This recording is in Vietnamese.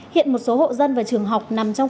hiện một số hộ dân và trường học nằm trong